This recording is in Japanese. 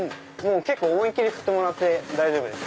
結構思いっ切り振ってもらって大丈夫です。